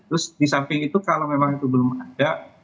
terus di samping itu kalau memang itu belum ada